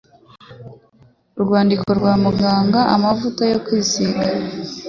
urwandiko rwa muganga amavuta yo kwisiga